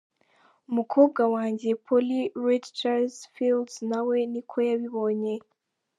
Umukobwa wanjye Polly Ruettgers Fields nawe niko yabibonye.